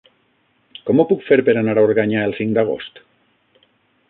Com ho puc fer per anar a Organyà el cinc d'agost?